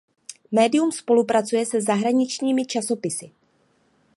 Médium spolupracuje se zahraničními časopisy.